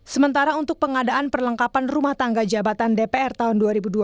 sementara untuk pengadaan perlengkapan rumah tangga jabatan dpr tahun dua ribu dua puluh